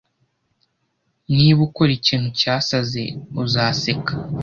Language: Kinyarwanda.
Niba ukora ikintu cyasaze uzaseka